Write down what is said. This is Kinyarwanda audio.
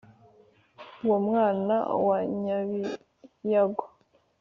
uwo mwana wa nyabiyago